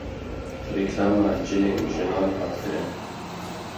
Rîklama cilên jinan hat kirin